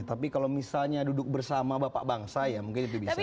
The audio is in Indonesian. tapi kalau misalnya duduk bersama bapak bang saya mungkin lebih bisa